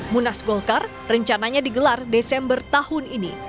munas golkar rencananya digelar desember tahun ini